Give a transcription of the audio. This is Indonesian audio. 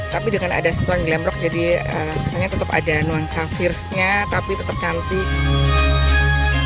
tapi dengan ada sentuhan glam rock jadi biasanya tetap ada nuansa fierce nya tapi tetap cantik